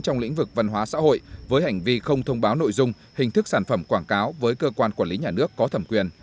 trong lĩnh vực văn hóa xã hội với hành vi không thông báo nội dung hình thức sản phẩm quảng cáo với cơ quan quản lý nhà nước có thẩm quyền